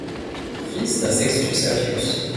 Fils d'un Sextus Appius.